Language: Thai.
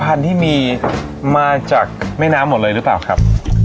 พันธุ์ที่มีมาจากแม่น้ำหมดเลยหรือเปล่าครับ